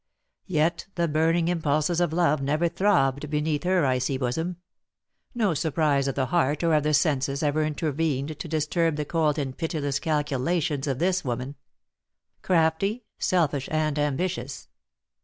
Yet the burning impulses of love never throbbed beneath her icy bosom; no surprise of the heart or of the senses ever intervened to disturb the cold and pitiless calculations of this woman, crafty, selfish, and ambitious.